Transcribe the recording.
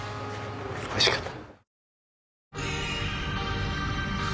おいしかった。